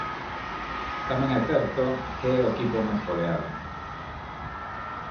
Tamén é certo que é o equipo máis goleado.